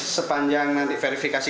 lama itu sepanjang nanti verifikasi